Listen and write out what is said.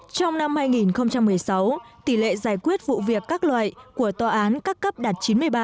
trong năm hai nghìn một mươi sáu tỷ lệ giải quyết vụ việc các loại của tòa án các cấp đạt chín mươi ba